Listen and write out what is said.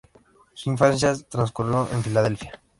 Su infancia transcurrió en Filadelfia.